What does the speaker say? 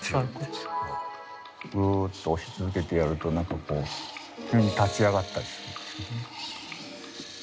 グーッと押し続けてやると急に立ち上がったりするんですけどね。